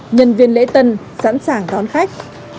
nhân viên lễ tân sẵn sàng đón khách